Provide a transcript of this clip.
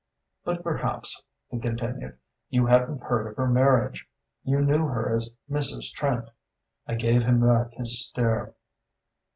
"But perhaps," he continued, "you hadn't heard of her marriage? You knew her as Mrs. Trant." I gave him back his stare.